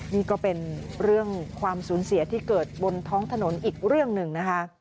นี่ก็เป็นเรื่องความสูญเสียที่เกิดบนท้องถนนอีกเรื่องหนึ่งนะคะ